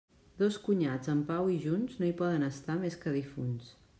Dos cunyats en pau i junts no hi poden estar més que difunts.